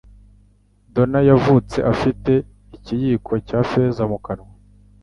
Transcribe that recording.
Donna yavutse afite ikiyiko cya feza mu kanwa.